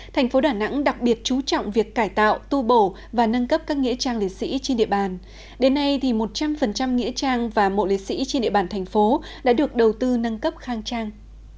thành phố đà nẵng đặc biệt chú trọng việc cải tạo tu bổ và nâng cấp các nghĩa trang liệt sĩ trên địa bàn đến nay một trăm linh nghĩa trang và mộ liệt sĩ trên địa bàn thành phố đã được đầu tư nâng cấp khang trang